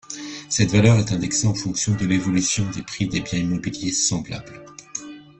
Cette valeur est indexée en fonction de l'évolution des prix des biens immobiliers semblables.